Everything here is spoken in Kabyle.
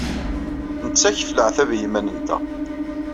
Nettakf leɛtab i yiman-nteɣ.